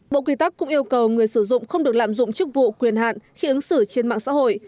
bộ quy tắc cũng yêu cầu người sử dụng không được lạm dụng chức vụ quyền hạn khi ứng xử trên mạng xã hội